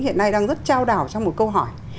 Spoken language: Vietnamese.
hiện nay đang rất trao đảo trong một câu hỏi